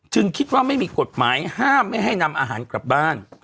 คิดว่าไม่มีกฎหมายห้ามไม่ให้นำอาหารกลับบ้าน